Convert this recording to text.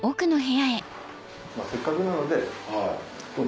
せっかくなので。